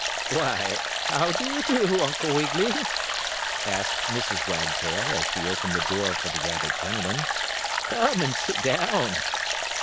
"Why, how do you do, Uncle Wiggily?" asked Mrs. Wagtail, as she opened the door for the rabbit gentleman. "Come and sit down."